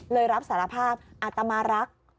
รับสารภาพอาตมารัก